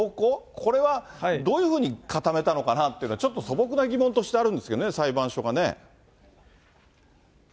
これはどういうふうに固めたのかなっていうのは、ちょっと素朴な疑問としてあるんですけどね、裁判所がね。